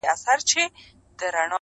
هندو زوړ سو مسلمان نه سو -